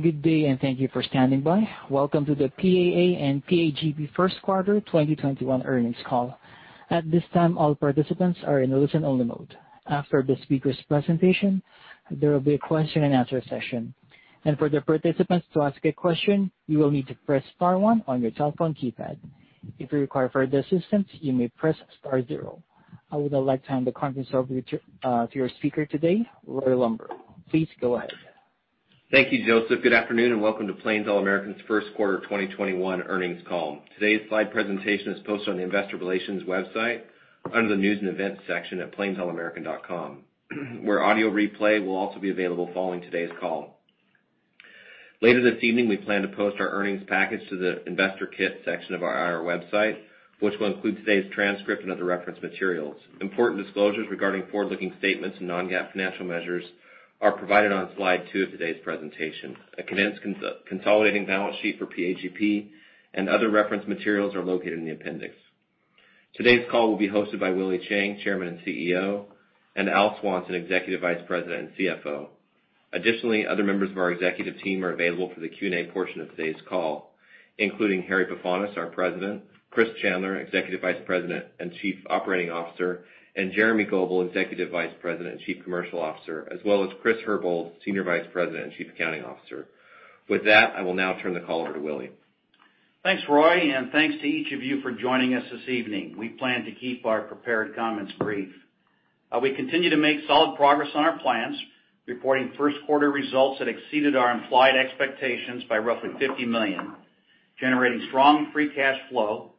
Good day, and thank you for standing by. Welcome to the PAA and PAGP first quarter 2021 earnings call. At this time, all participants are in a listen-only mode. After the speakers' presentation, there will be a question and answer session. For the participants to ask a question, you will need to press star one on your telephone keypad. If you require further assistance, you may press star zero. I would like to hand the conference over to your speaker today, Roy Lamoreaux. Please go ahead. Thank you, [Joseph]. Good afternoon, and welcome to Plains All American's first quarter 2021 earnings call. Today's slide presentation is posted on the investor relations website under the news and events section at plainsallamerican.com, where audio replay will also be available following today's call. Later this evening, we plan to post our earnings package to the investor kit section of our IR website, which will include today's transcript and other reference materials. Important disclosures regarding forward-looking statements and non-GAAP financial measures are provided on slide two of today's presentation. A condensed consolidating balance sheet for PAGP and other reference materials are located in the appendix. Today's call will be hosted by Willie Chiang, Chairman and CEO, and Al Swanson, Executive Vice President and CFO. Additionally, other members of our executive team are available for the Q&A portion of today's call, including Harry Pefanis, our President, Chris Chandler, Executive Vice President and Chief Operating Officer, and Jeremy Goebel, Executive Vice President and Chief Commercial Officer, as well as Chris Herbold, Senior Vice President and Chief Accounting Officer. With that, I will now turn the call over to Willie. Thanks, Roy, and thanks to each of you for joining us this evening. We plan to keep our prepared comments brief. We continue to make solid progress on our plans, reporting first quarter results that exceeded our implied expectations by roughly $50 million, generating strong free cash flow,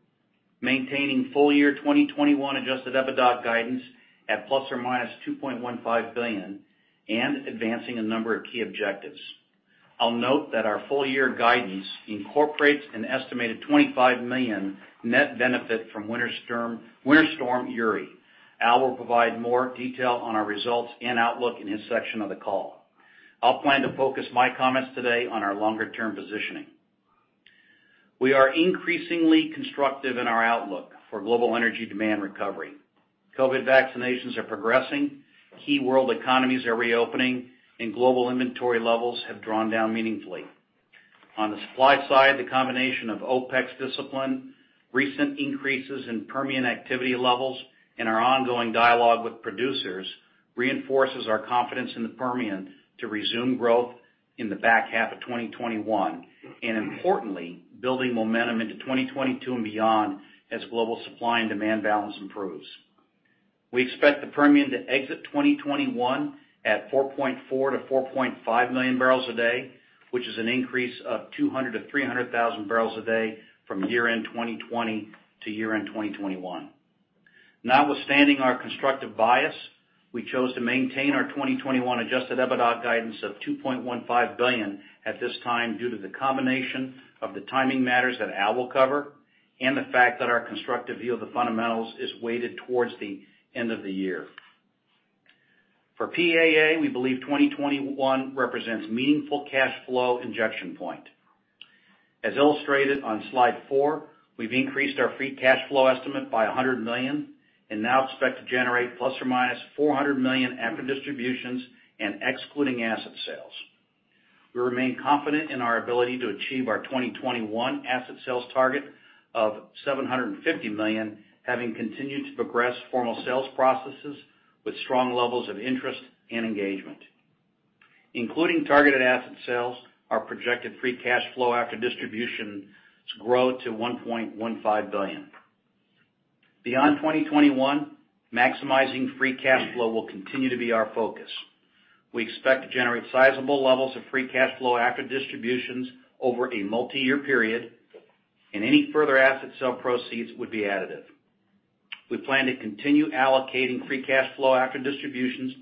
maintaining full year 2021 Adjusted EBITDA guidance at ±$2.15 billion, and advancing a number of key objectives. I'll note that our full year guidance incorporates an estimated $25 million net benefit from Winter Storm Uri. Al will provide more detail on our results and outlook in his section of the call. I'll plan to focus my comments today on our longer-term positioning. We are increasingly constructive in our outlook for global energy demand recovery. COVID vaccinations are progressing, key world economies are reopening, and global inventory levels have drawn down meaningfully. On the supply side, the combination of OpEx discipline, recent increases in Permian activity levels, and our ongoing dialogue with producers reinforces our confidence in the Permian to resume growth in the back half of 2021, and importantly, building momentum into 2022 and beyond as global supply and demand balance improves. We expect the Permian to exit 2021 at 4.4 MMbpd-4.5 MMbpd, which is an increase of 200,000 bpd-300,000 bpd from year-end 2020 to year-end 2021. Notwithstanding our constructive bias, we chose to maintain our 2021 Adjusted EBITDA guidance of $2.15 billion at this time due to the combination of the timing matters that Al will cover and the fact that our constructive view of the fundamentals is weighted towards the end of the year. For PAA, we believe 2021 represents meaningful cash flow injection point. As illustrated on slide four, we've increased our free cash flow estimate by $100 million and now expect to generate ±$400 million after distributions and excluding asset sales. We remain confident in our ability to achieve our 2021 asset sales target of $750 million, having continued to progress formal sales processes with strong levels of interest and engagement. Including targeted asset sales, our projected free cash flow after distributions grow to $1.15 billion. Beyond 2021, maximizing free cash flow will continue to be our focus. We expect to generate sizable levels of free cash flow after distributions over a multi-year period, and any further asset sale proceeds would be additive. We plan to continue allocating free cash flow after distributions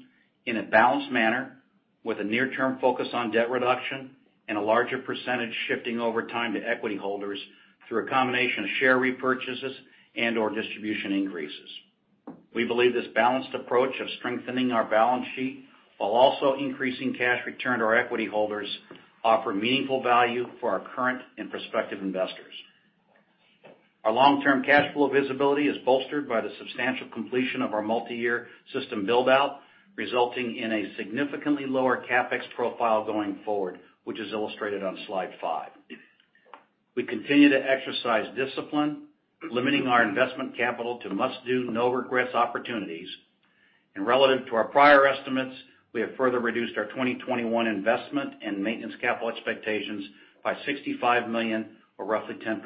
in a balanced manner with a near-term focus on debt reduction and a larger percentage shifting over time to equity holders through a combination of share repurchases and/or distribution increases. We believe this balanced approach of strengthening our balance sheet while also increasing cash return to our equity holders offer meaningful value for our current and prospective investors. Our long-term cash flow visibility is bolstered by the substantial completion of our multi-year system build-out, resulting in a significantly lower CapEx profile going forward, which is illustrated on slide five. We continue to exercise discipline, limiting our investment capital to must-do, no-regrets opportunities. Relative to our prior estimates, we have further reduced our 2021 investment and maintenance capital expectations by $65 million, or roughly 10%.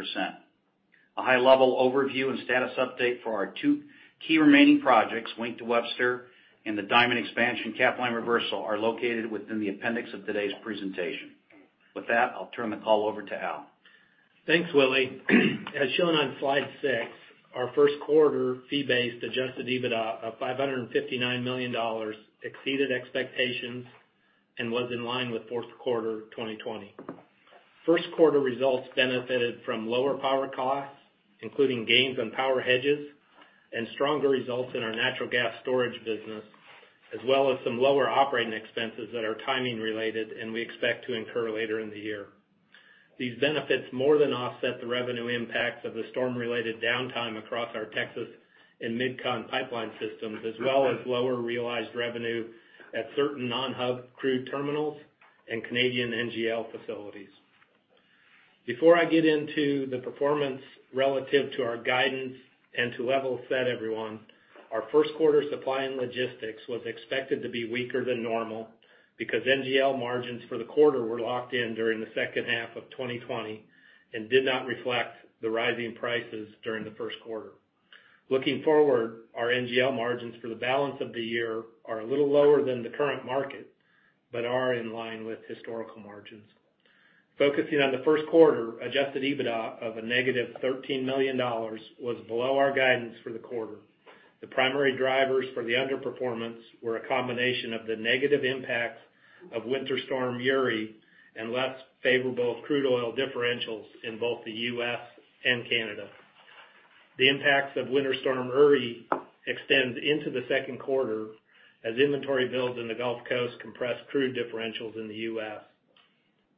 A high-level overview and status update for our two key remaining projects, Wink to Webster and the Diamond Expansion/Capline Reversal, are located within the appendix of today's presentation. With that, I'll turn the call over to Al. Thanks, Willie. As shown on slide six, our first quarter fee-based Adjusted EBITDA of $559 million exceeded expectations and was in line with fourth quarter 2020. First quarter results benefited from lower power costs, including gains on power hedges and stronger results in our natural gas storage business, as well as some lower operating expenses that are timing related, and we expect to incur later in the year. These benefits more than offset the revenue impacts of the storm-related downtime across our Texas and Mid-Continent pipeline systems, as well as lower realized revenue at certain non-hub crude terminals and Canadian NGL facilities. Before I get into the performance relative to our guidance and to level set everyone, our first quarter supply and logistics was expected to be weaker than normal, because NGL margins for the quarter were locked in during the second half of 2020, and did not reflect the rising prices during the first quarter. Looking forward, our NGL margins for the balance of the year are a little lower than the current market, but are in line with historical margins. Focusing on the first quarter, Adjusted EBITDA of a -$13 million was below our guidance for the quarter. The primary drivers for the underperformance were a combination of the negative impacts of Winter Storm Uri and less favorable crude oil differentials in both the U.S. and Canada. The impacts of Winter Storm Uri extend into the second quarter as inventory builds in the Gulf Coast compress crude differentials in the U.S.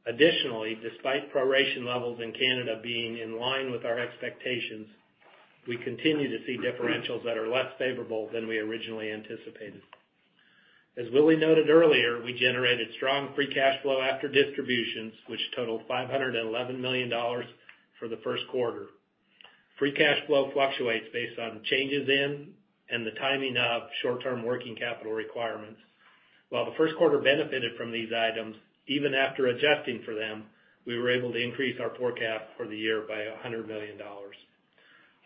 Additionally, despite proration levels in Canada being in line with our expectations, we continue to see differentials that are less favorable than we originally anticipated. As Willie noted earlier, we generated strong free cash flow after distributions, which totaled $511 million for the first quarter. Free cash flow fluctuates based on changes in, and the timing of short-term working capital requirements. While the first quarter benefited from these items, even after adjusting for them, we were able to increase our forecast for the year by $100 million.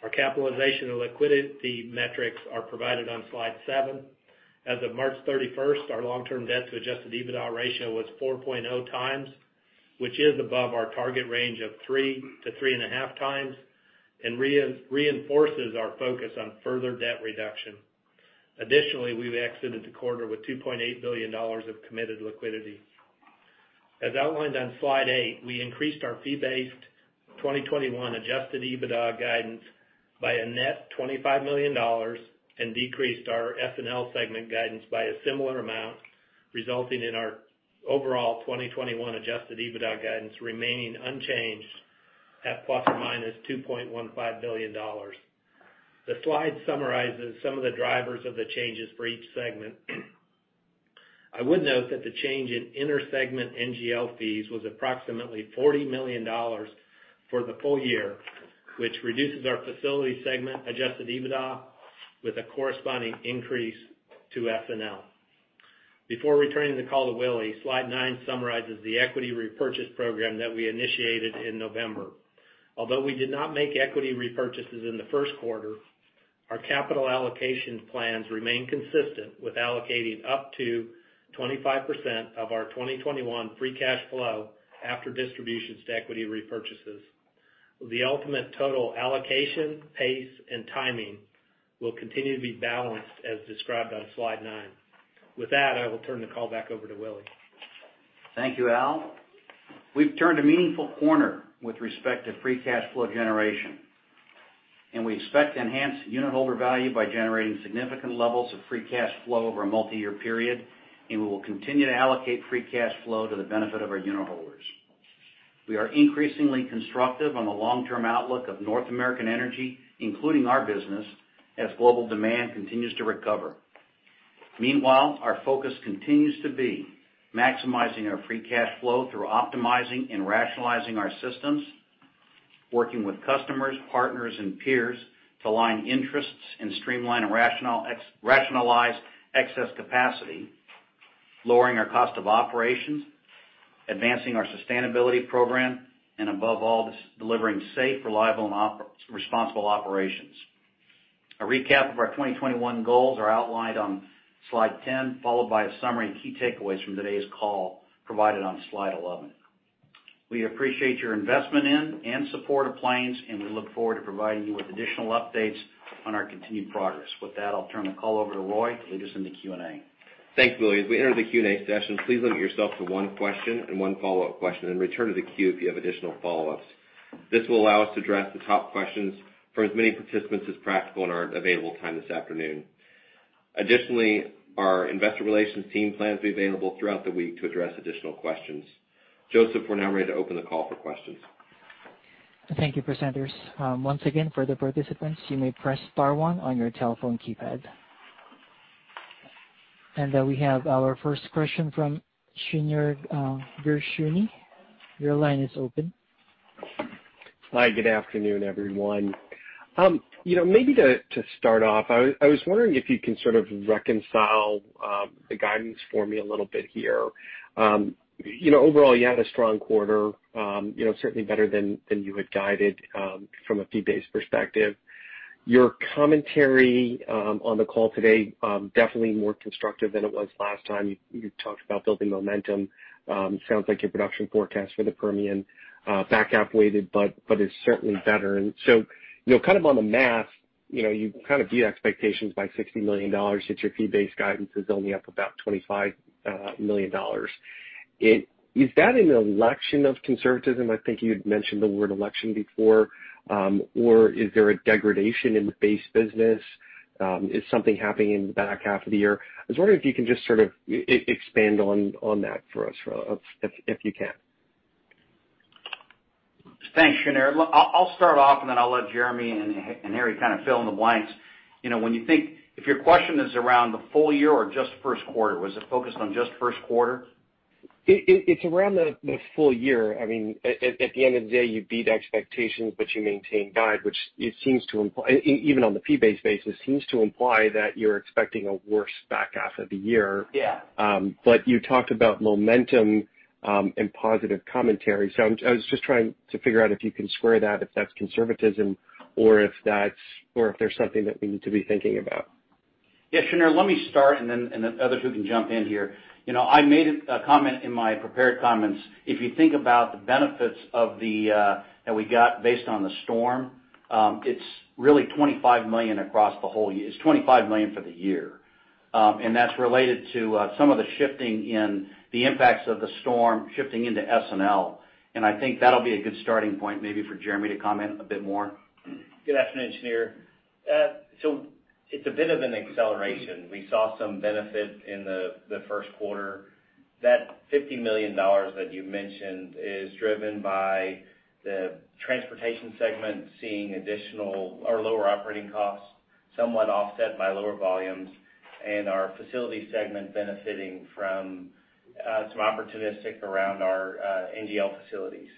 Our capitalization and liquidity metrics are provided on slide seven. As of March 31st, our long-term debt to Adjusted EBITDA ratio was 4.0x, which is above our target range of 3x-3.5x, and reinforces our focus on further debt reduction. Additionally, we've exited the quarter with $2.8 billion of committed liquidity. As outlined on slide eight, we increased our fee-based 2021 Adjusted EBITDA guidance by a net $25 million and decreased our S&L segment guidance by a similar amount, resulting in our overall 2021 Adjusted EBITDA guidance remaining unchanged at ±$2.15 billion. The slide summarizes some of the drivers of the changes for each segment. I would note that the change in intersegment NGL fees was approximately $40 million for the full year, which reduces our facility segment Adjusted EBITDA with a corresponding increase to S&L. Before returning the call to Willie, slide nine summarizes the equity repurchase program that we initiated in November. Although we did not make equity repurchases in the first quarter, our capital allocation plans remain consistent with allocating up to 25% of our 2021 free cash flow after distributions to equity repurchases. The ultimate total allocation, pace, and timing will continue to be balanced as described on slide nine. With that, I will turn the call back over to Willie. Thank you, Al. We've turned a meaningful corner with respect to free cash flow generation. We expect to enhance unit holder value by generating significant levels of free cash flow over a multi-year period. We will continue to allocate free cash flow to the benefit of our unit holders. We are increasingly constructive on the long-term outlook of North American energy, including our business, as global demand continues to recover. Meanwhile, our focus continues to be maximizing our free cash flow through optimizing and rationalizing our systems, working with customers, partners, and peers to align interests and streamline and rationalize excess capacity, lowering our cost of operations, advancing our sustainability program, and above all, delivering safe, reliable, and responsible operations. A recap of our 2021 goals are outlined on slide 10, followed by a summary and key takeaways from today's call, provided on slide 11. We appreciate your investment in and support of Plains, and we look forward to providing you with additional updates on our continued progress. With that, I'll turn the call over to Roy to lead us in the Q&A. Thanks, Willie. As we enter the Q&A session, please limit yourself to one question and one follow-up question, and return to the queue if you have additional follow-ups. This will allow us to address the top questions for as many participants as practical in our available time this afternoon. Additionally, our investor relations team plans to be available throughout the week to address additional questions. [Joseph], we're now ready to open the call for questions. Thank you, presenters. Once again, for the participants, you may press star one on your telephone keypad. We have our first question from Shneur Gershuni. Your line is open. Hi. Good afternoon, everyone. Maybe to start off, I was wondering if you can sort of reconcile the guidance for me a little bit here. Overall, you had a strong quarter, certainly better than you had guided from a fee-based perspective. Your commentary on the call today, definitely more constructive than it was last time. You talked about building momentum. Sounds like your production forecast for the Permian, back half-weighted, but is certainly better. Kind of on the math, you kind of beat expectations by $60 million, yet your fee-based guidance is only up about $25 million. Is that an election of conservatism? I think you had mentioned the word election before. Is there a degradation in the base business? Is something happening in the back half of the year? I was wondering if you can just expand on that for us, if you can. Thanks, Shneur. I'll start off and then I'll let Jeremy and Harry kind of fill in the blanks. If your question is around the full year or just first quarter? Was it focused on just first quarter? It's around the full year. At the end of the day, you beat expectations, but you maintain guide, which even on the fee-base basis, seems to imply that you're expecting a worse back half of the year. Yeah. You talked about momentum, and positive commentary. I was just trying to figure out if you can square that, if that's conservatism or if there's something that we need to be thinking about. Yeah. Shneur, let me start and then others who can jump in here. I made a comment in my prepared comments. If you think about the benefits that we got based on the storm, it's really $25 million across the whole year. It's $25 million for the year. That's related to some of the shifting in the impacts of the storm shifting into S&L. I think that'll be a good starting point, maybe for Jeremy to comment a bit more. Good afternoon, Shneur. It's a bit of an acceleration. We saw some benefit in the first quarter. That $50 million that you mentioned is driven by the transportation segment seeing lower operating costs, somewhat offset by lower volumes, and our facility segment benefiting from some opportunistic around our NGL facilities.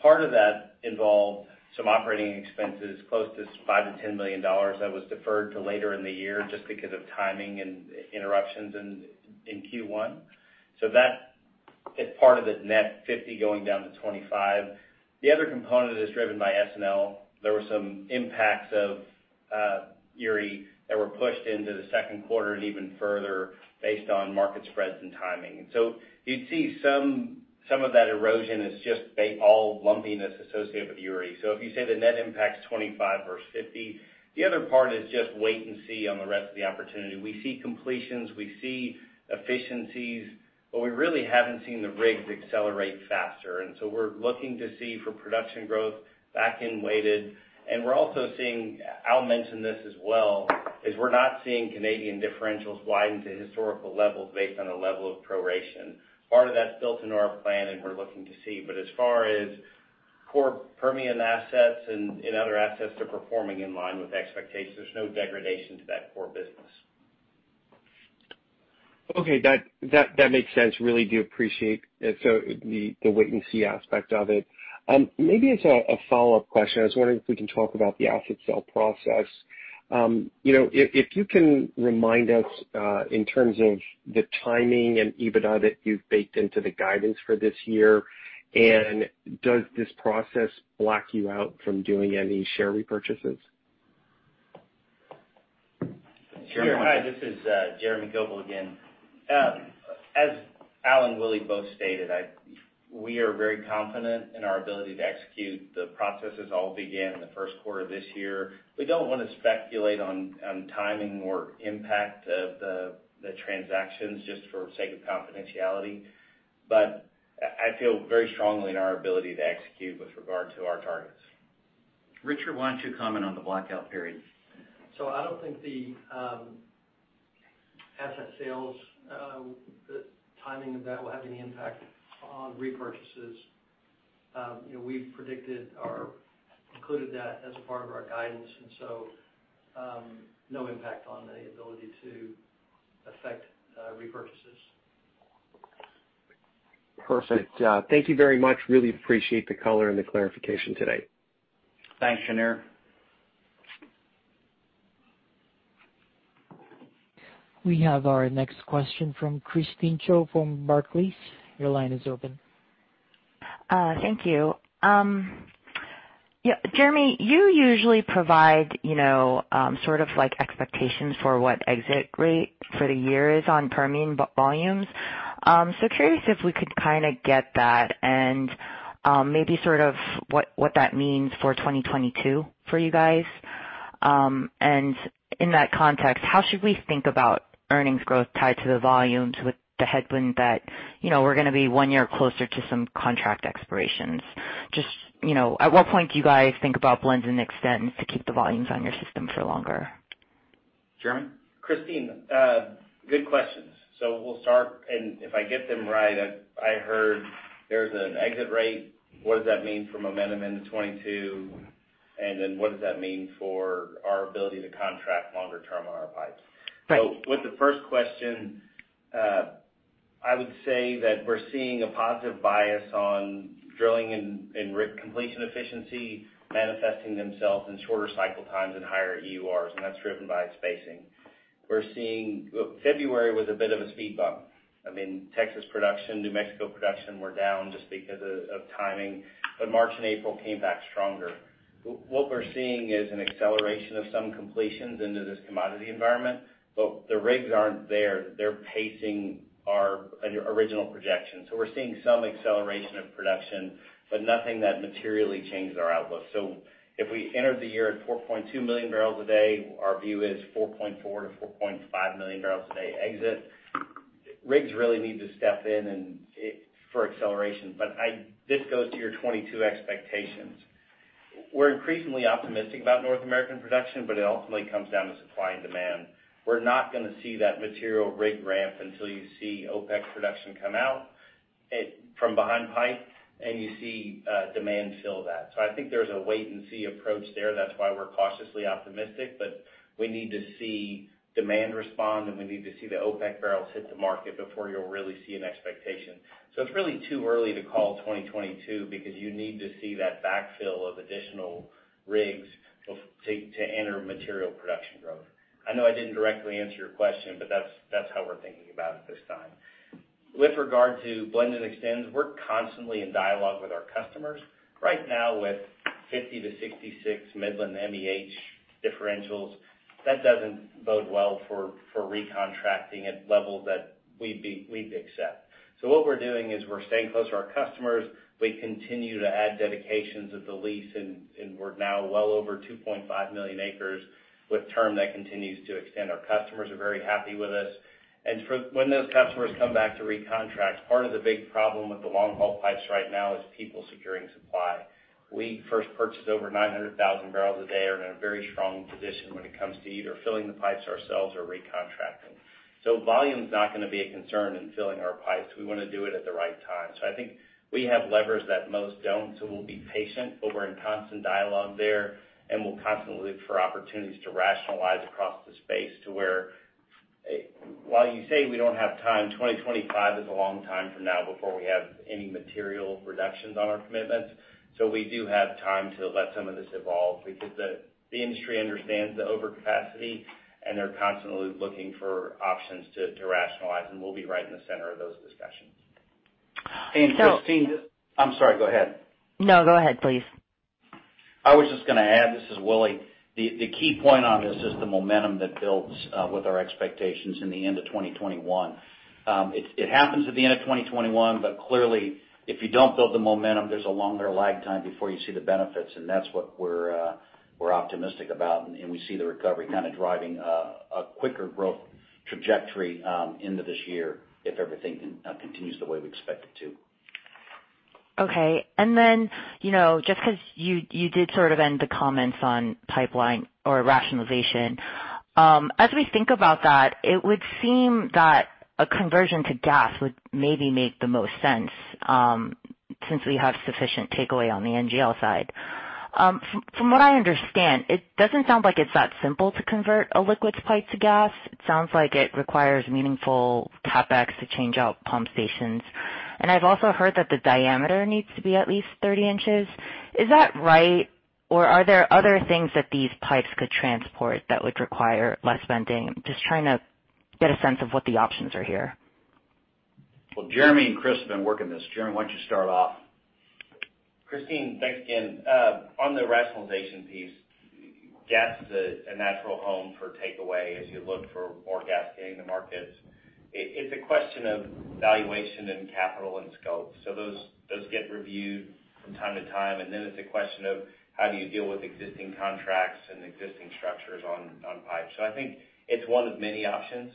Part of that involved some operating expenses close to $5 million-$10 million that was deferred to later in the year just because of timing and interruptions in Q1. That is part of the net $50 million going down to $25 million. The other component is driven by S&L. There were some impacts of Uri that were pushed into the second quarter and even further based on market spreads and timing. You'd see some of that erosion is just all lumpiness associated with Uri. If you say the net impact is $25 million versus $50 million, the other part is just wait-and-see on the rest of the opportunity. We see completions, we see efficiencies, we really haven't seen the rigs accelerate faster. We're looking to see for production growth back end weighted. We're also seeing, Al mentioned this as well, is we're not seeing Canadian differentials widen to historical levels based on a level of proration. Part of that's built into our plan and we're looking to see. As far as core Permian assets and other assets, they're performing in line with expectations. There's no degradation to that core business. Okay. That makes sense. Really do appreciate the wait-and-see aspect of it. Maybe as a follow-up question, I was wondering if we can talk about the asset sales process. If you can remind us, in terms of the timing and EBITDA that you've baked into the guidance for this year, and does this process block you out from doing any share repurchases? Jeremy. Sure. Hi, this is Jeremy Goebel again. As Al and Willie both stated, we are very confident in our ability to execute. The processes all began in the first quarter of this year. We don't want to speculate on timing or impact of the transactions just for sake of confidentiality. I feel very strongly in our ability to execute with regard to our targets. Richard, why don't you comment on the blackout period? I don't think the asset sales, the timing of that will have any impact on repurchases. We've predicted or included that as a part of our guidance, no impact on the ability to affect repurchases. Perfect. Thank you very much. Really appreciate the color and the clarification today. Thanks, Shneur. We have our next question from Christine Cho from Barclays. Your line is open. Thank you. Jeremy, you usually provide sort of expectations for what exit rate for the year is on Permian volumes. Curious if we could kind of get that and maybe sort of what that means for 2022 for you guys. In that context, how should we think about earnings growth tied to the volumes with the headwind that we're going to be one year closer to some contract expirations? Just at what point do you guys think about blends and extends to keep the volumes on your system for longer? Jeremy. Christine, good questions. We'll start, and if I get them right, I heard there's an exit rate. What does that mean for momentum into 2022? What does that mean for our ability to contract longer term on our pipes? Right. With the first question, I would say that we're seeing a positive bias on drilling and rig completion efficiency manifesting themselves in shorter cycle times and higher EURs, and that's driven by spacing. February was a bit of a speed bump. Texas production, New Mexico production were down just because of timing. March and April came back stronger. What we're seeing is an acceleration of some completions into this commodity environment, but the rigs aren't there. They're pacing our original projections. We're seeing some acceleration of production, but nothing that materially changed our outlook. If we entered the year at 4.2 MMbpd, our view is 4.4 MMbpd-4.5 MMbpd exit. Rigs really need to step in for acceleration. This goes to your 2022 expectations. We're increasingly optimistic about North American production, but it ultimately comes down to supply and demand. We're not going to see that material rig ramp until you see OPEC production come out from behind pipe, and you see demand fill that. I think there's a wait-and-see approach there. That's why we're cautiously optimistic. We need to see demand respond, and we need to see the OPEC barrels hit the market before you'll really see an expectation. It's really too early to call 2022 because you need to see that backfill of additional rigs to enter material production growth. I know I didn't directly answer your question, but that's how we're thinking about it this time. With regard to blends and extends, we're constantly in dialogue with our customers. Right now with $0.50-$0.66 Midland/MEH differentials, that doesn't bode well for re-contracting at levels that we'd accept. What we're doing is we're staying close to our customers. We continue to add dedications of the lease, and we're now well over 2.5 million acres with term that continues to extend. Our customers are very happy with us. When those customers come back to recontract, part of the big problem with the long-haul pipes right now is people securing supply. We first purchased over 900,000 bpd. We are in a very strong position when it comes to either filling the pipes ourselves or re-contracting. Volume's not going to be a concern in filling our pipes. We want to do it at the right time. I think we have levers that most don't. We'll be patient, but we're in constant dialogue there, and we'll constantly look for opportunities to rationalize across the space to where, while you say we don't have time, 2025 is a long time from now before we have any material reductions on our commitments. We do have time to let some of this evolve because the industry understands the overcapacity, and they're constantly looking for options to rationalize, and we'll be right in the center of those discussions. Christine. So- I'm sorry. Go ahead. No, go ahead, please. I was just going to add, this is Willie. The key point on this is the momentum that builds with our expectations in the end of 2021. It happens at the end of 2021, clearly if you don't build the momentum, there's a longer lag time before you see the benefits. That's what we're optimistic about. We see the recovery kind of driving a quicker growth trajectory end of this year if everything continues the way we expect it to. Okay. Then, just because you did sort of end the comments on pipeline or rationalization. As we think about that, it would seem that a conversion to gas would maybe make the most sense, since we have sufficient takeaway on the NGL side. From what I understand, it doesn't sound like it's that simple to convert a liquids pipe to gas. It sounds like it requires meaningful CapEx to change out pump stations, and I've also heard that the diameter needs to be at least 30 in. Is that right? Or are there other things that these pipes could transport that would require less vending? Just trying to get a sense of what the options are here. Jeremy and Chris have been working this. Jeremy, why don't you start off? Christine, thanks again. On the rationalization piece, gas is a natural home for takeaway as you look for more gas getting in the markets. It's a question of valuation and capital and scope. Those get reviewed from time to time, and then it's a question of how do you deal with existing contracts and existing structures on pipes. I think it's one of many options.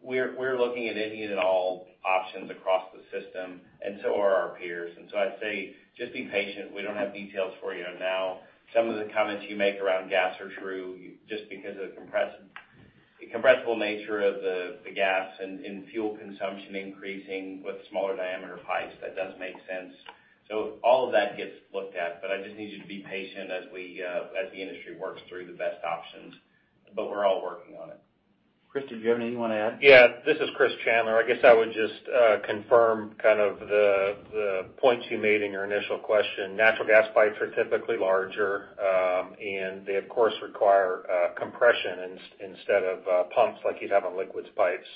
We're looking at any and all options across the system and so are our peers. I'd say just be patient. We don't have details for you now. Some of the comments you make around gas are true just because of the compressible nature of the gas and fuel consumption increasing with smaller diameter pipes. That does make sense. All of that gets looked at, but I just need you to be patient as the industry works through the best options. We're all working on it. Chris, did you have anything you want to add? This is Chris Chandler. I guess I would just confirm kind of the points you made in your initial question. Natural gas pipes are typically larger. They, of course, require compression instead of pumps like you'd have on liquids pipes.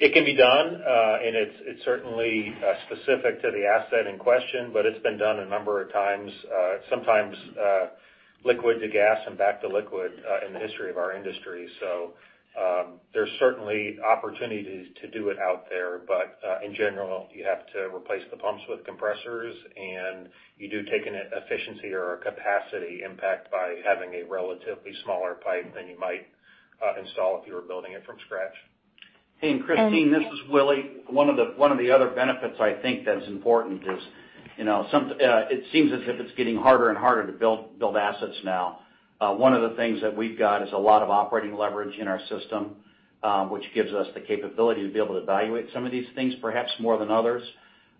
It can be done. It's certainly specific to the asset in question, but it's been done a number of times, sometimes liquid to gas and back to liquid in the history of our industry. There's certainly opportunity to do it out there. In general, you have to replace the pumps with compressors, and you do take an efficiency or a capacity impact by having a relatively smaller pipe than you might install if you were building it from scratch. Christine, this is Willie. One of the other benefits I think that's important is it seems as if it's getting harder and harder to build assets now. One of the things that we've got is a lot of operating leverage in our system, which gives us the capability to be able to evaluate some of these things perhaps more than others.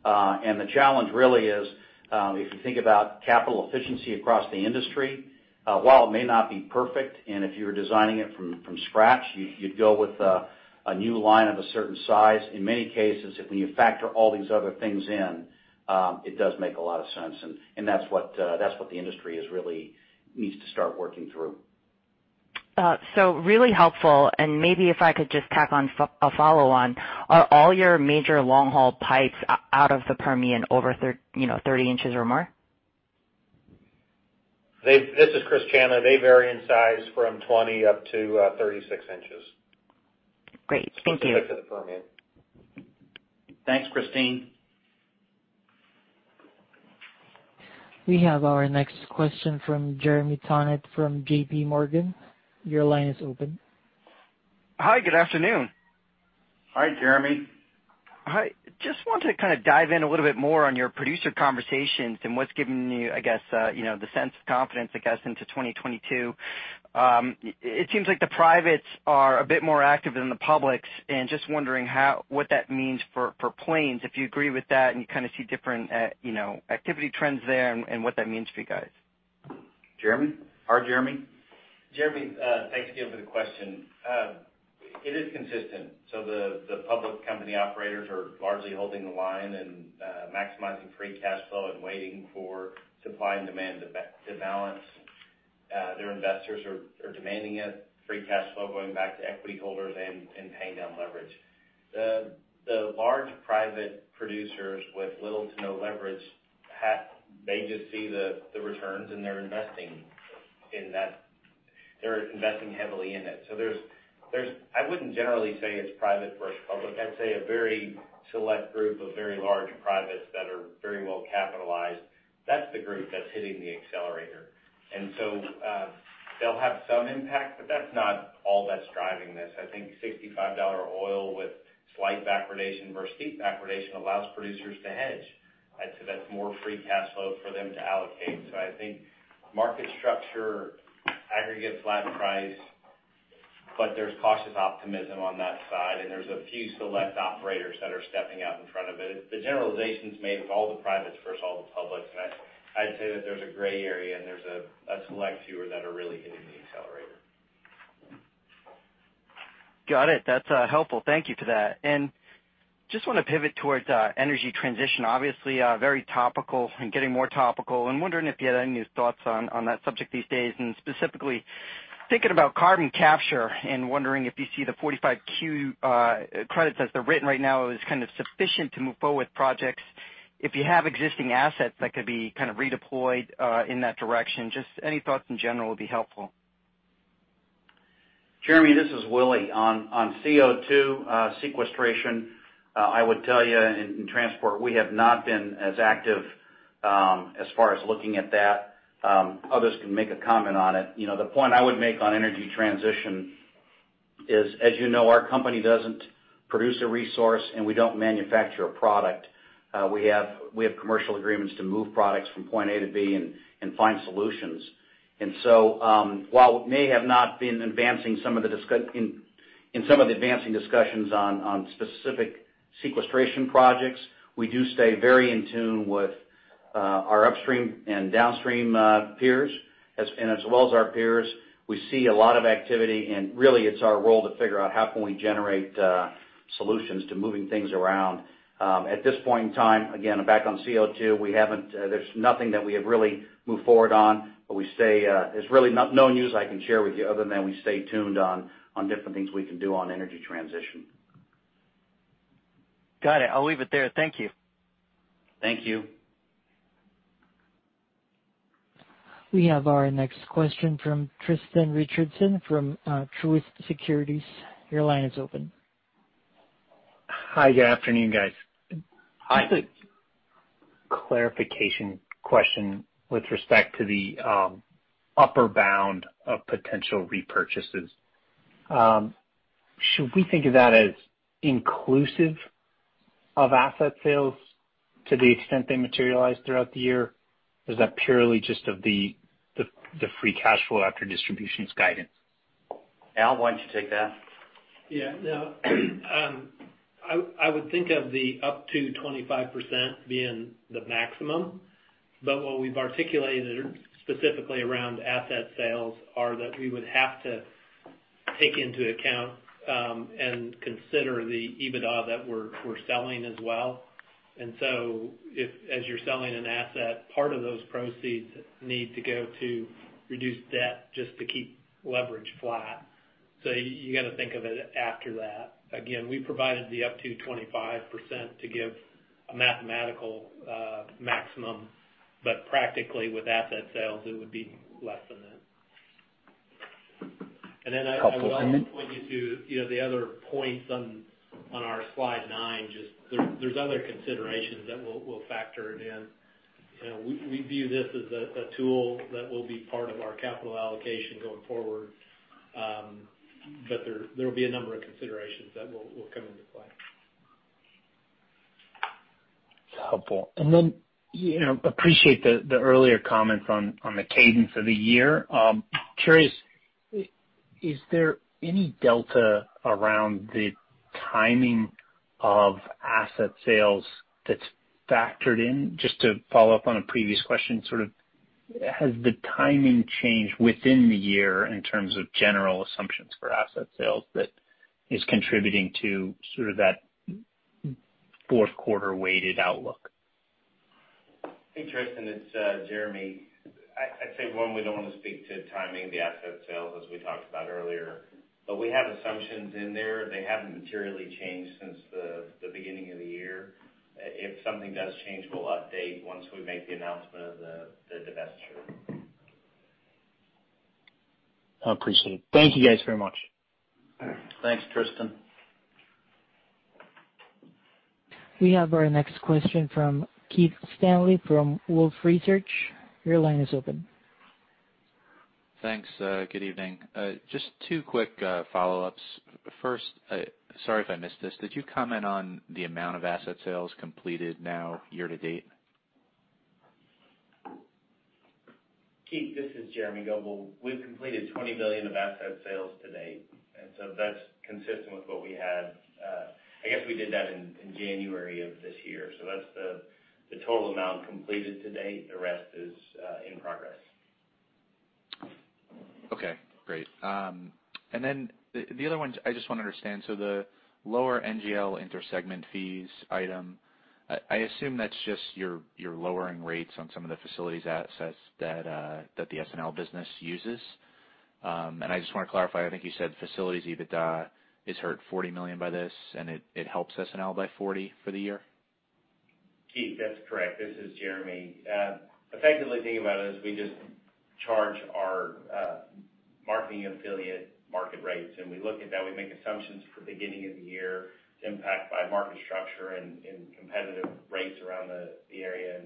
The challenge really is, if you think about capital efficiency across the industry, while it may not be perfect, and if you're designing it from scratch, you'd go with a new line of a certain size. In many cases, if you factor all these other things in, it does make a lot of sense. That's what the industry really needs to start working through. Really helpful, and maybe if I could just tack on a follow-on. Are all your major long-haul pipes out of the Permian over 30 in or more? This is Chris Chandler. They vary in size from 20 in up to 36 in. Great. Thank you. Specific to the Permian. Thanks, Christine. We have our next question from Jeremy Tonet from JPMorgan. Your line is open. Hi, good afternoon. Hi, Jeremy. Hi. Just wanted to kind of dive in a little bit more on your producer conversations and what's giving you, I guess, the sense of confidence, I guess, into 2022. It seems like the privates are a bit more active than the publics and just wondering what that means for Plains, if you agree with that and you kind of see different activity trends there and what that means for you guys. Jeremy? Our Jeremy. Jeremy, thanks again for the question. It is consistent. The public company operators are largely holding the line and maximizing free cash flow and waiting for supply and demand to balance. Their investors are demanding it, free cash flow going back to equity holders and paying down leverage. The large private producers with little to no leverage, they just see the returns, and they're investing heavily in it. I wouldn't generally say it's private versus public. I'd say a very select group of very large privates that are very well capitalized. That's the group that's hitting the accelerator. They'll have some impact, but that's not all that's driving this. I think $65 oil with slight backwardation versus steep backwardation allows producers to hedge. I'd say that's more free cash flow for them to allocate. I think market structure aggregates flat price, but there's cautious optimism on that side, and there's a few select operators that are stepping out in front of it. The generalizations made with all the privates versus all the publics, I'd say that there's a gray area and there's a select few that are really hitting the accelerator. Got it. That's helpful. Thank you for that. Just want to pivot towards energy transition. Obviously, very topical and getting more topical, and wondering if you had any thoughts on that subject these days, and specifically thinking about carbon capture and wondering if you see the 45Q credits as they're written right now as kind of sufficient to move forward with projects if you have existing assets that could be kind of redeployed in that direction. Just any thoughts in general would be helpful. Jeremy, this is Willie. On CO2 sequestration, I would tell you in transport, we have not been as active as far as looking at that. Others can make a comment on it. The point I would make on energy transition is, as you know, our company doesn't produce a resource. We don't manufacture a product. We have commercial agreements to move products from point A to B and find solutions. While we may have not been in some of the advancing discussions on specific sequestration projects, we do stay very in tune with our upstream and downstream peers. As well as our peers, we see a lot of activity, and really it's our role to figure out how can we generate solutions to moving things around. At this point in time, again, back on CO2, there's nothing that we have really moved forward on, but there's really no news I can share with you other than we stay tuned on different things we can do on energy transition. Got it. I'll leave it there. Thank you. Thank you. We have our next question from Tristan Richardson from Truist Securities. Your line is open. Hi, good afternoon, guys. Hi. Just a clarification question with respect to the upper bound of potential repurchases. Should we think of that as inclusive of asset sales to the extent they materialize throughout the year? Is that purely just of the free cash flow after distributions guidance? Al, why don't you take that? I would think of the up to 25% being the maximum. What we've articulated specifically around asset sales are that we would have to take into account and consider the EBITDA that we're selling as well. As you're selling an asset, part of those proceeds need to go to reduce debt just to keep leverage flat. You got to think of it after that. Again, we provided the up to 25% to give a mathematical maximum. Practically with asset sales, it would be less than that. I would also point you to the other points on our slide nine. There's other considerations that we'll factor it in. We view this as a tool that will be part of our capital allocation going forward. There will be a number of considerations that will come into play. That's helpful. Appreciate the earlier comments on the cadence of the year. Curious, is there any delta around the timing of asset sales that's factored in? Just to follow up on a previous question, sort of has the timing changed within the year in terms of general assumptions for asset sales that is contributing to sort of that fourth quarter weighted outlook? Hey, Tristan, it's Jeremy. I'd say, one, we don't want to speak to timing of the asset sales, as we talked about earlier. We have assumptions in there. They haven't materially changed since the beginning of the year. If something does change, we'll update once we make the announcement of the divestiture. I appreciate it. Thank you guys very much. Thanks, Tristan. We have our next question from Keith Stanley from Wolfe Research. Your line is open. Thanks. Good evening. Just two quick follow-ups. First, sorry if I missed this, did you comment on the amount of asset sales completed now year-to-date? Keith, this is Jeremy Goebel. We've completed $20 million of asset sales to date. That's consistent with what we had. I guess we did that in January of this year, so that's the total amount completed to date. The rest is in progress. Okay, great. The other one, I just want to understand, the lower NGL inter-segment fees item, I assume that's just you're lowering rates on some of the facilities assets that the S&L business uses. I just want to clarify, I think you said facilities EBITDA is hurt $40 million by this, and it helps S&L by $40 for the year? Keith, that's correct. This is Jeremy. Effectively, think about it as we just charge our marketing affiliate market rates, and we look at that. We make assumptions for beginning of the year, impact by market structure and competitive rates around the area.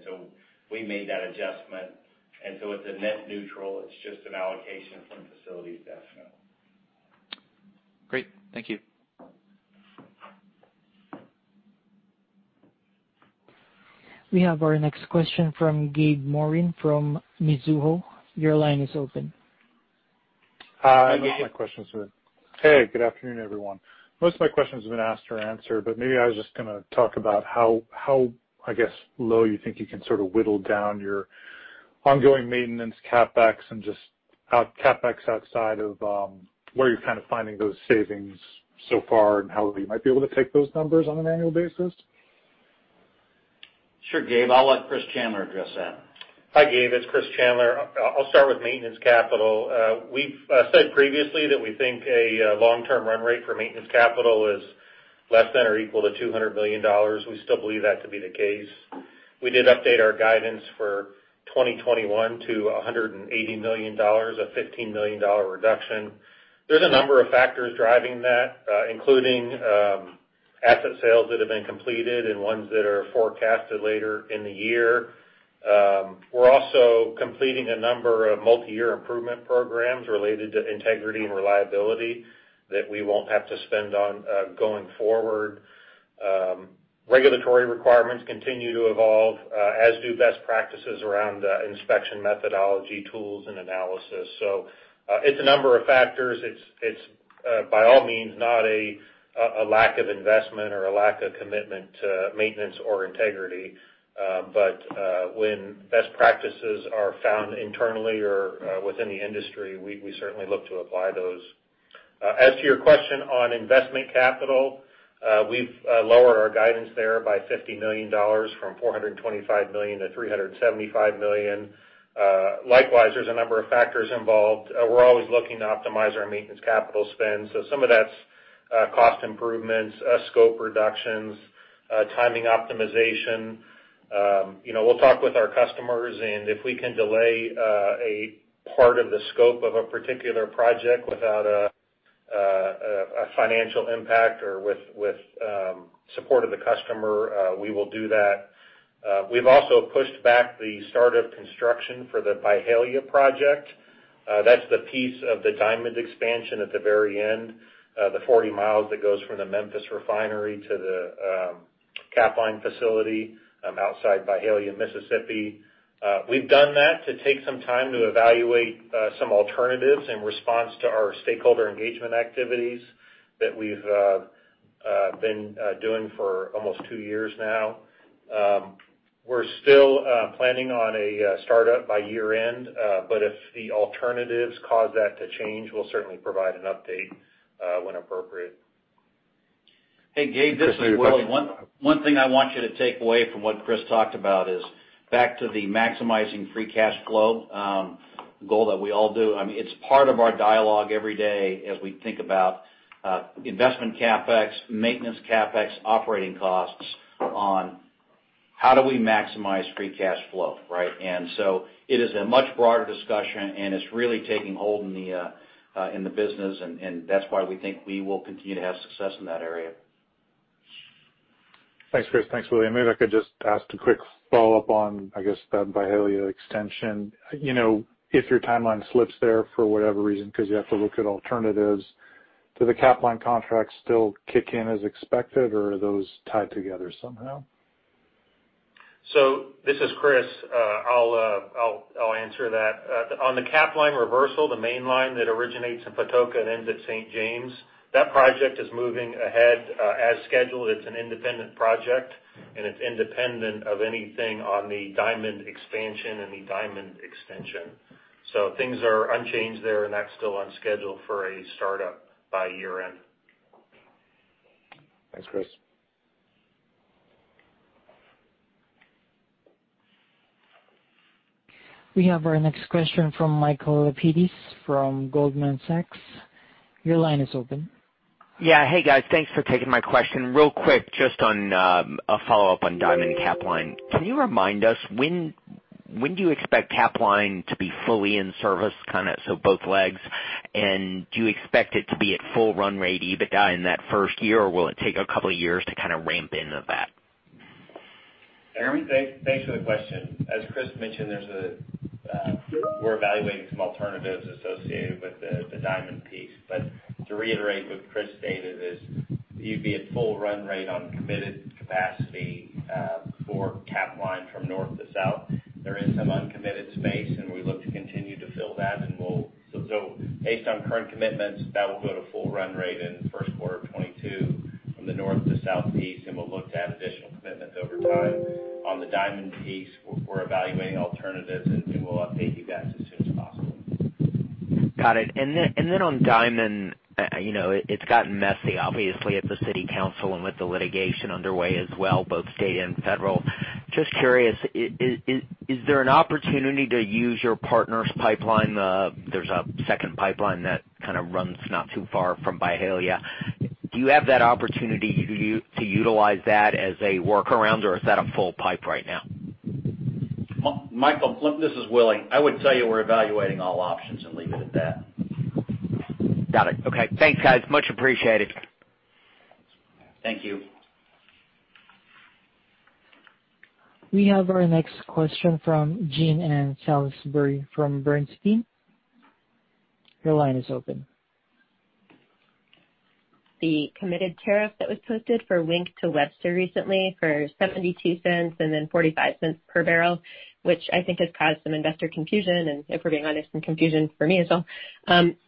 We made that adjustment. It's a net neutral. It's just an allocation from facilities to S&L. Great. Thank you. We have our next question from Gabe Moreen from Mizuho. Your line is open. Hi. Hey, good afternoon, everyone. Most of my questions have been asked or answered, but maybe I was just going to talk about how, I guess, low you think you can sort of whittle down your ongoing maintenance CapEx and just how CapEx outside of where you're kind of finding those savings so far and how you might be able to take those numbers on an annual basis. Sure, Gabe. I'll let Chris Chandler address that. Hi, Gabe. It's Chris Chandler. I'll start with maintenance capital. We've said previously that we think a long-term run-rate for maintenance capital is less than or equal to $200 million. We still believe that to be the case. We did update our guidance for 2021 to $180 million, a $15 million reduction. There's a number of factors driving that, including asset sales that have been completed and ones that are forecasted later in the year. We're also completing a number of multi-year improvement programs related to integrity and reliability that we won't have to spend on going forward. Regulatory requirements continue to evolve, as do best practices around inspection methodology, tools, and analysis. It's a number of factors. It's by all means not a lack of investment or a lack of commitment to maintenance or integrity. When best practices are found internally or within the industry, we certainly look to apply those. As to your question on investment capital, we've lowered our guidance there by $50 million from $425 million to $375 million. Likewise, there's a number of factors involved. We're always looking to optimize our maintenance capital spend. Some of that's cost improvements, scope reductions, timing optimization. We'll talk with our customers, and if we can delay a part of the scope of a particular project without a financial impact or with support of the customer, we will do that. We've also pushed back the start of construction for the Byhalia project. That's the piece of the Diamond Expansion at the very end, the 40 mi that goes from the Memphis refinery to the Capline facility outside Byhalia, Mississippi. We've done that to take some time to evaluate some alternatives in response to our stakeholder engagement activities that we've been doing for almost two years now. We're still planning on a startup by year-end. If the alternatives cause that to change, we'll certainly provide an update when appropriate. Hey, Gabe, this is Willie. One thing I want you to take away from what Chris talked about is back to the maximizing free cash flow goal that we all do. It's part of our dialogue every day as we think about investment CapEx, maintenance CapEx, operating costs on how do we maximize free cash flow, right? It is a much broader discussion, and it's really taking hold in the business, and that's why we think we will continue to have success in that area. Thanks, Chris. Thanks, Willie. Maybe I could just ask a quick follow-up on, I guess, that Byhalia extension. If your timeline slips there for whatever reason, because you have to look at alternatives, do the Capline contracts still kick in as expected, or are those tied together somehow? This is Chris. I'll answer that. On the Capline Reversal, the main line that originates in Patoka and ends at St. James, that project is moving ahead as scheduled. It's an independent project, and it's independent of anything on the Diamond Expansion and the Diamond extension. Things are unchanged there, and that's still on schedule for a startup by year-end. Thanks, Chris. We have our next question from Michael Lapides from Goldman Sachs. Your line is open. Yeah. Hey, guys. Thanks for taking my question. Real quick, just on a follow-up on Diamond Capline. Can you remind us, when do you expect Capline to be fully in service, so both legs? Do you expect it to be at full run-rate EBITDA in that first year, or will it take a couple of years to kind of ramp into that? Jeremy. Thanks for the question. As Chris mentioned, we're evaluating some alternatives associated with the Diamond piece. To reiterate what Chris stated is, you'd be at full run-rate on committed capacity for Capline from north to south. There is some uncommitted space, and we look to continue to fill that. Based on current commitments, that will go to full run-rate in the first quarter of 2022 from the north to south piece, and we'll look to add additional commitments over time. On the Diamond piece, we're evaluating alternatives, and we will update you guys as soon as possible. Got it. On Diamond, it's gotten messy, obviously, at the city council and with the litigation underway as well, both state and federal. Just curious, is there an opportunity to use your partner's pipeline? There's a second pipeline that kind of runs not too far from Byhalia. Do you have that opportunity to utilize that as a workaround, or is that a full pipe right now? Michael, this is Willie. I would tell you we're evaluating all options and leave it at that. Got it. Okay. Thanks, guys. Much appreciated. Thank you. We have our next question from Jean Ann Salisbury from Bernstein. Your line is open. The committed tariff that was posted for Wink to Webster recently for $0.72 per bbl and then $0.45 per bbl, which I think has caused some investor confusion, and if we're being honest, some confusion for me as well.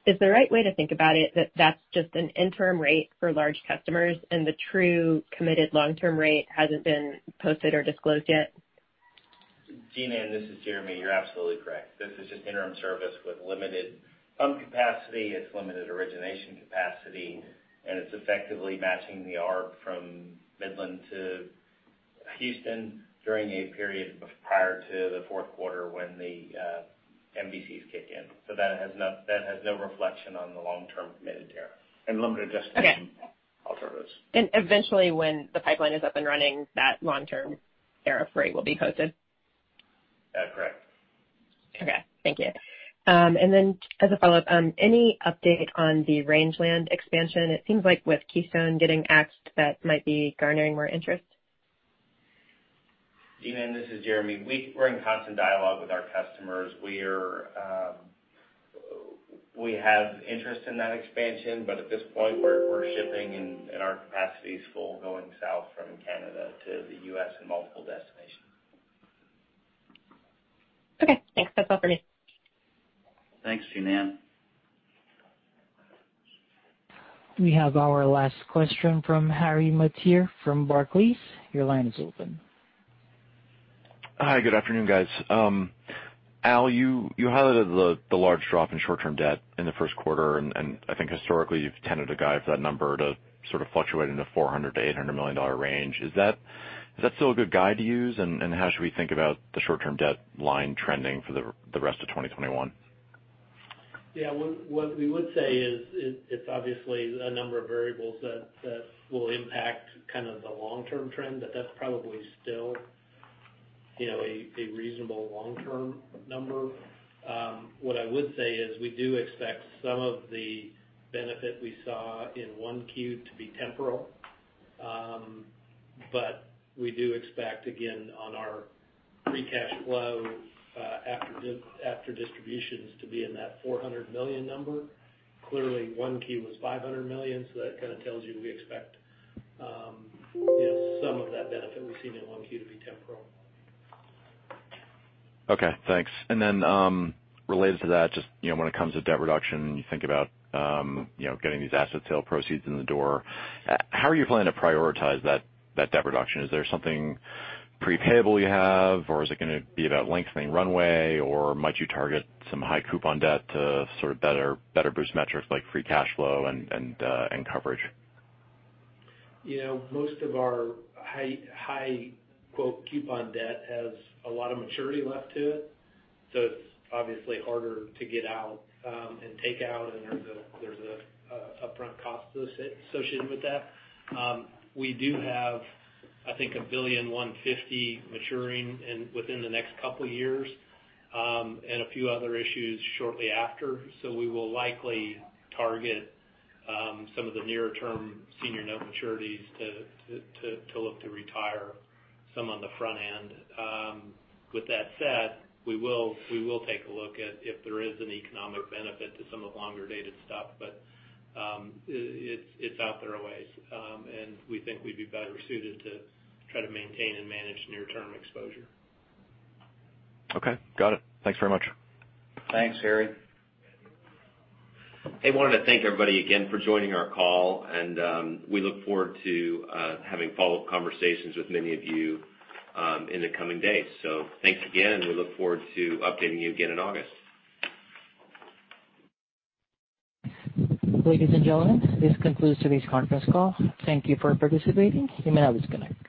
Is the right way to think about it that that's just an interim rate for large customers, and the true committed long-term rate hasn't been posted or disclosed yet? Jean Ann, this is Jeremy. You're absolutely correct. This is just interim service with limited pump capacity, it's limited origination capacity, and it's effectively matching the arbitrage from Midland to Houston during a period prior to the fourth quarter when the MVCs kick in. That has no reflection on the long-term committed tariff. Limited destination alternatives. Eventually, when the pipeline is up and running, that long-term tariff rate will be posted? That's correct. Okay. Thank you. As a follow-up, any update on the Rangeland expansion? It seems like with Keystone getting axed, that might be garnering more interest. Jean Ann, this is Jeremy. We're in constant dialogue with our customers. We have interest in that expansion, but at this point, we're shipping and our capacity is full going south from Canada to the U.S. and multiple destinations. Okay, thanks. That's all for me. Thanks, Jean Ann. We have our last question from Harry Mateer from Barclays. Your line is open. Hi, good afternoon, guys. Al, you highlighted the large drop in short-term debt in the first quarter. I think historically, you've tended to guide for that number to sort of fluctuate in the $400 million-$800 million range. Is that still a good guide to use? How should we think about the short-term debt line trending for the rest of 2021? What we would say is it's obviously a number of variables that will impact kind of the long-term trend, but that's probably still a reasonable long-term number. What I would say is we do expect some of the benefit we saw in 1Q to be temporal. We do expect, again, on our free cash flow after distributions to be in that $400 million number. Clearly, 1Q was $500 million, that kind of tells you we expect some of that benefit we've seen in 1Q to be temporal. Okay, thanks. Then related to that, just when it comes to debt reduction, you think about getting these asset sales proceeds in the door. How are you planning to prioritize that debt reduction? Is there something pre-payable you have, or is it going to be about lengthening runway, or might you target some high coupon debt to sort of better boost metrics like free cash flow and coverage? Most of our high, quote, "coupon debt" has a lot of maturity left to it. It's obviously harder to get out, and take out, and there's an upfront cost associated with that. We do have, I think, $1.15 billion maturing within the next couple of years, and a few other issues shortly after. We will likely target some of the near-term senior note maturities to look to retire some on the front end. With that said, we will take a look at if there is an economic benefit to some of the longer-dated stuff. It's out there a ways, and we think we'd be better suited to try to maintain and manage near-term exposure. Okay. Got it. Thanks very much. Thanks, Harry. Hey, wanted to thank everybody again for joining our call, and we look forward to having follow-up conversations with many of you in the coming days. Thanks again, and we look forward to updating you again in August. Ladies and gentlemen, this concludes today's conference call. Thank you for participating. You may now disconnect.